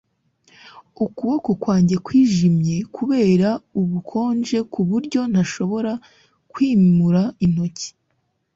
Ukuboko kwanjye kwijimye kubera ubukonje kuburyo ntashobora kwimura intoki